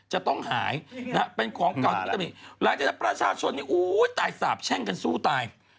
หลายประชาชนตายสาบแช่งกันสู้ตาย